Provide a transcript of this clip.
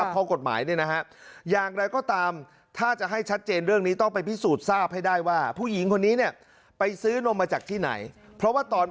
เพราะว่าตอนโพสต์นี้อ้างว่าซื้อจากโรงงาน